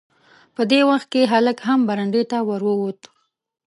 په دې وخت کې هلک هم برنډې ته ور ووت.